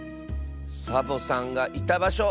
サボさんがいたばしょ。